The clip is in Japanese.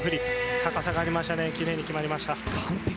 高さがありました奇麗に決まりました。